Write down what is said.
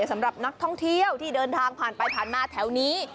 สำหรับนักท่องเที่ยวที่เดินทางผ่านไปผ่านมาแถวนี้